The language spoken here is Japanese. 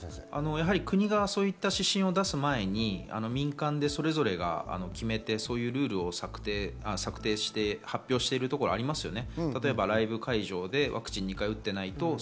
国がそういった指針を出す前に民間でそれぞれが決めて、そういうルールを策定して、発表している部分がありますよね。